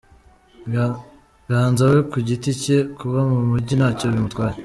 Ganza we ku giti cye kuba mu mujyi ntacyo bimutwaye.